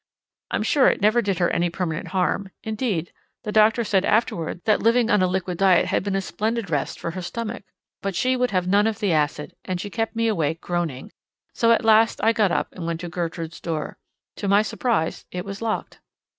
I'm sure it never did her any permanent harm; indeed, the doctor said afterward that living on liquid diet had been a splendid rest for her stomach. But she would have none of the acid, and she kept me awake groaning, so at last I got up and went to Gertrude's door. To my surprise, it was locked.